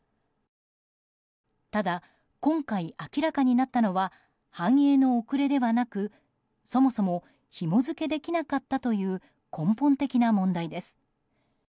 ただ今回、明らかになったのは反映の遅れではなくそもそもひも付けできなかったという根本的な問題です。